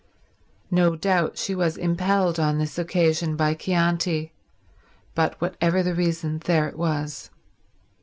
No doubt she was impelled on this occasion by Chianti, but whatever the reason there it was.